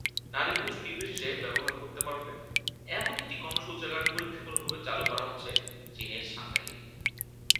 নারী-পুরুষনির্বিশেষে ব্যবহার করতে পারবে—এমন একটি গণশৌচাগার পরীক্ষামূলকভাবে চালু করা হচ্ছে চীনের সাংহাইয়ে।